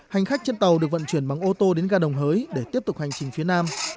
hành khách trên tàu được vận chuyển bằng ô tô đến ga đồng hới để tiếp tục hành trình phía nam